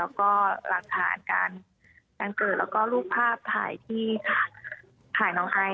แล้วก็หลักฐานการบังเกิดแล้วก็รูปภาพถ่ายที่ถ่ายน้องไอ